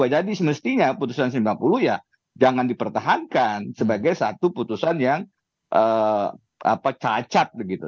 jadi semestinya putusan sembilan puluh ya jangan dipertahankan sebagai satu putusan yang cacat begitu